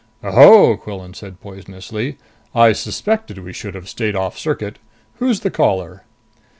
"Oho!" Quillan said poisonously. "I suspected we should have stayed off circuit! Who's the caller?"